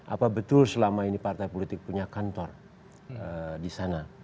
apa betul selama ini partai politik punya kantor di sana